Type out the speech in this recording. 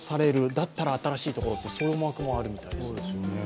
だったら新しいところ、そういう思惑もあるみたいです。